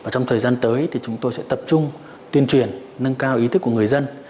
trong thời gian tới thì chúng tôi sẽ tập trung tuyên truyền nâng cao ý thức của người dân